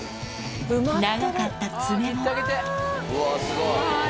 長かった爪もうわすごい。